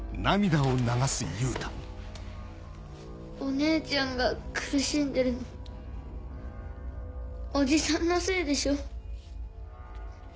お姉ちゃんが苦しんでるのおじさんのせいでしょ？